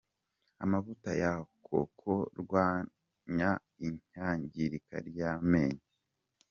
Amavuta ya koko rwanya iyangirika ry’amenyo